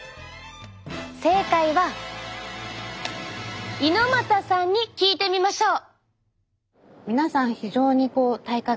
正解は猪又さんに聞いてみましょう。